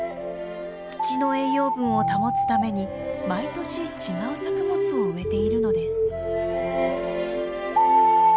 土の栄養分を保つために毎年違う作物を植えているのです。